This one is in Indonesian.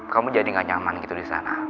kamu jadi gak nyaman gitu di sana